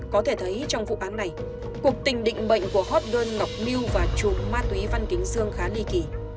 có thể thấy trong vụ án này cuộc tình định bệnh của hot girl ngọc miu và chùm ma túy văn kính dương khá lý kỳ